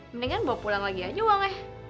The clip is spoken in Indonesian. mendingan bawa pulang lagi aja uangnya